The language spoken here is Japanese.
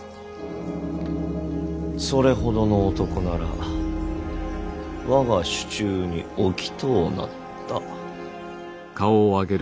それほどの男なら我が手中に置きとうなった。